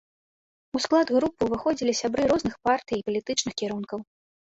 У склад групы ўваходзілі сябры розных партый і палітычных кірункаў.